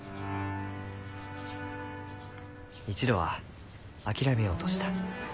一度は諦めようとした。